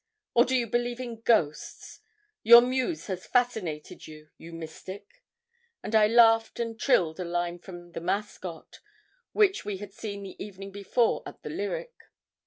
Or do you believe in ghosts? Your muse has fascinated you, you mystic!' And I laughed and trilled a line from 'The Mascot,' which we had seen the evening before at the Lyric.